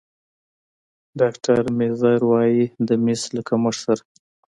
ډاکتر میزهر وايي د مس له کمښت سره